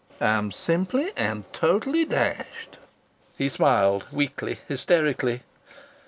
"I am simply and totally dashed!" He smiled weakly, hysterically.